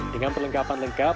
dengan perlengkapan lengkap